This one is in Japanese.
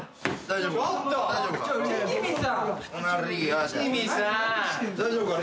大丈夫か？